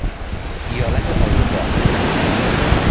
ایالت آیوا